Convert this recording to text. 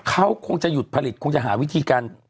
เขาคงจะหยุดผลิตคงจะหาวิธีการ